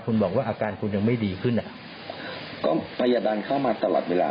คุณบอกว่าอาการคุณยังไม่ดีขึ้นอ่ะก็พยาบาลเข้ามาตลอดเวลา